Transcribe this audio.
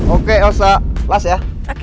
oke osa last ya